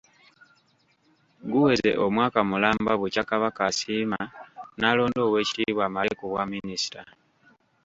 Guweze omwaka mulamba bukya Kabaka asiima n'alonda Oweekitiibwa Male ku bwa minisita.